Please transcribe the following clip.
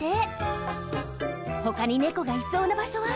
ほかに猫がいそうな場所は？